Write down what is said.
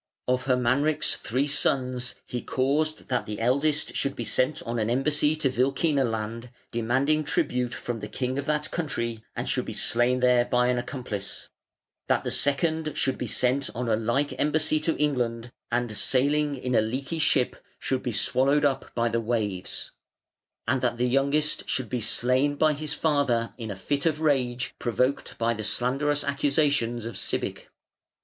Of Hermanric's three sons he caused that the eldest should be sent on an embassy to Wilkina land demanding tribute from the king of that country, and should be slain there by an accomplice; that the second should be sent on a like embassy to England, and sailing in a leaky ship, should be swallowed up by the waves; and that the youngest should be slain by his father in a fit of rage provoked by the slanderous accusations of Sibich.